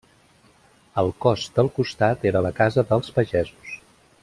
El cos del costat era la casa dels pagesos.